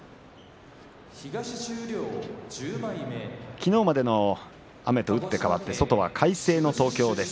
昨日までの雨とうってかわって外は快晴の東京です。